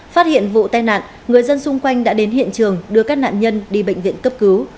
phát hiện vụ tai nạn người dân xung quanh đã đến hiện trường đưa các nạn nhân đi bệnh viện cấp cứu